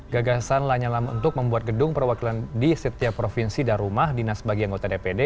gagasan lanyala untuk membuat gedung perwakilan di setiap provinsi dan rumah dinas bagi anggota dpd